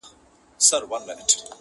• ځيني يې سخت واقعيت ګڼي ډېر..